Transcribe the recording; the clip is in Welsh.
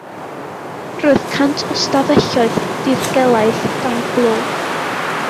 Roedd cant o stafelloedd dirgelaidd dan glo.